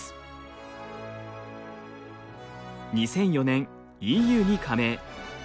２００４年ＥＵに加盟。